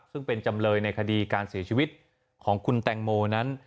ซึ่งเป็นจำเลยในคดีการเสียชีวิตของคุณแตงโมนั้น